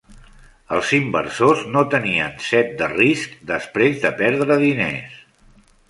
Els inversors no tenien set de risc després de perdre diners.